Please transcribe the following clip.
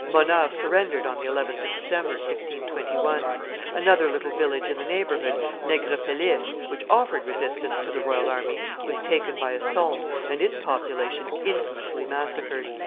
Monheur surrendered on the 11th of December, 1621. Another little village in the neighborhood, Negrepelisse, which offered resistance to the royal army, was taken by assault, and its population infamously massacred.